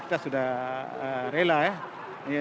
kita sudah rela ya